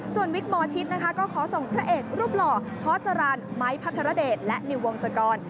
ส่วนวิกบอร์ชิตนะคะก็ขอส่งทะเอดรูปหล่อพอร์จารันไมค์พัทรเดชและนิววงศกร